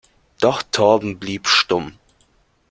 Doch Torben blieb stumm.